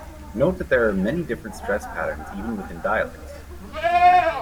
Note that there are many different stress patterns even within dialects.